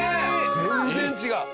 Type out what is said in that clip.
全然違う。